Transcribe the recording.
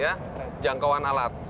ya jangkauan alat